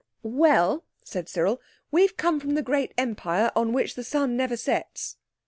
"Well," said Cyril, "we've come from the great Empire on which the sun never sets."